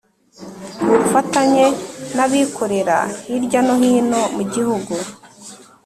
Ku bufatanye n Abikorera hirya no hino mu Gihugu